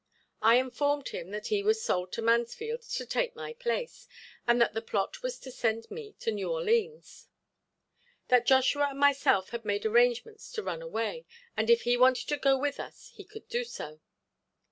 I informed him that he was sold to Mansfield to take my place, and that the plot was to send me to New Orleans; that Joshua and myself had made arrangements to run away, and if he wanted to go with us he could do so.